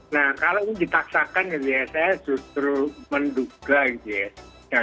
nah kalau ini ditaksakan saya justru menduga